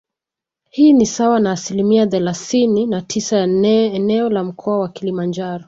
Hii ni sawa na asilimia thelasini na tisa ya eneo la Mkoa wa Kilimanjaro